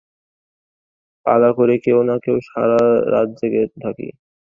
পালা করে কেউ-না-কেউ সারা রাত জেগে থাকি।